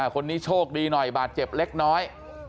คนนี้โชคดีหน่อยบาดเจ็บเล็กน้อย